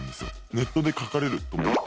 ネットで書かれると思って。